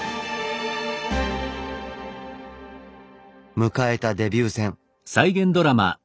迎えたデビュー戦。